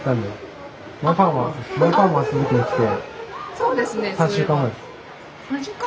そうです。